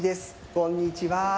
こんにちは。